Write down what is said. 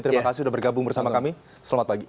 terima kasih sudah bergabung bersama kami selamat pagi